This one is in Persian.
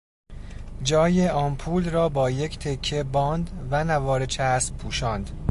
جای آمپول را با یک تکه باند و نوار چسب پوشاند.